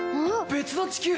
別の地球！？